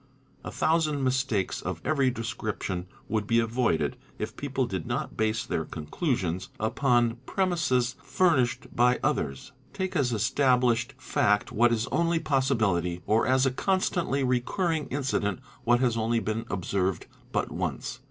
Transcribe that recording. A thousand mistakes of every description would be avoided if people did not base their conclusions upon premises furnished by others, take as established fact what is only possibility, or as a constantly recurring incident what has only been observed but once.